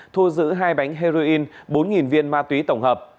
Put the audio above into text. thu giữ hai bánh heroin bốn viên ma túy tổng hợp